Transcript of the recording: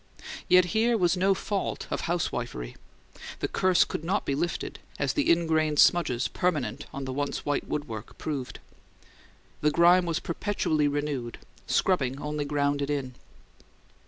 Yet here was no fault of housewifery; the curse could not be lifted, as the ingrained smudges permanent on the once white woodwork proved. The grime was perpetually renewed; scrubbing only ground it in.